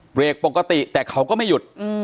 เบรกปกติแต่เขาก็ไม่หยุด